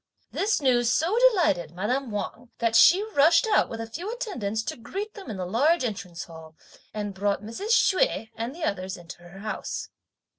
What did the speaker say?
This news so delighted madame Wang that she rushed out, with a few attendants, to greet them in the large Entrance Hall, and brought Mrs. Hsüeh and the others into her house.